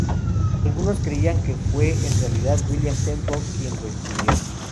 Algunos creían que fue en realidad William Temple quien lo escribió.